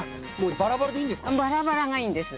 バラバラがいいんです。